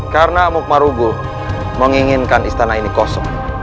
karena amuk marugul menginginkan istana ini kosong